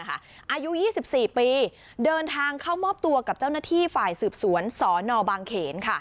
อายุ๒๔ปีเดินทางเข้ามอบตัวกับเจ้าหน้าที่ฝ่ายสืบสวนสนบางเขน